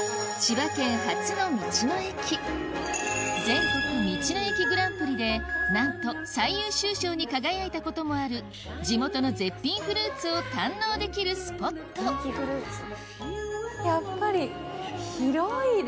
全国道の駅グランプリでなんと最優秀賞に輝いたこともある地元の絶品フルーツを堪能できるスポットやっぱり。